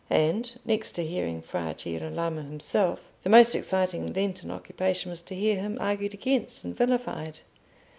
And next to hearing Fra Girolamo himself, the most exciting Lenten occupation was to hear him argued against and vilified.